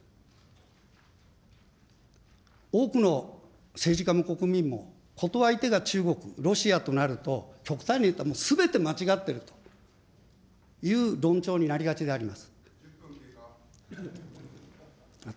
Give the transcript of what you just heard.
多くの政治家も国民も、こと相手が中国、ロシアとなると、極端に、すべて間違ってるという論調になりがちであります。